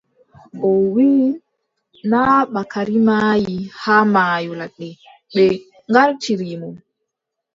O wiʼi , naa Bakari maayi, haa maayo ladde. ɓe ŋgartiri mo.